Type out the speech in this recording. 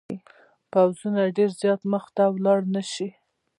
پوځونه ډېر زیات مخته ولاړ نه شي.